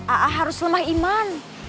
aa harus lemah iman